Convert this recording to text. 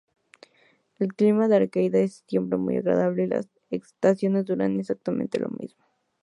El clima en Arcadia es siempre agradable, y las estaciones duran exactamente lo mismo.